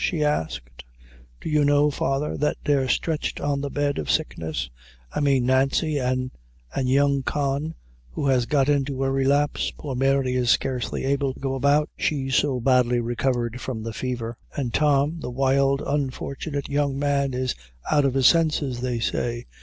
she asked, "do you know, father, that they're stretched on the bed of sickness? I mean Nancy an' an' young Con, who has got into a relapse; poor Mary is scarcely able to go about, she's so badly recovered from the fever; an' Tom, the wild unfortunate young man, is out of his senses, they say.